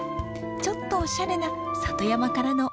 ちょっとおしゃれな里山からの贈り物です。